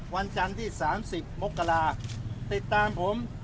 วันจันทร์ที่๓๐มกราติดตามผม